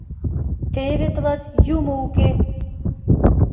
Теве тылат юмо уке!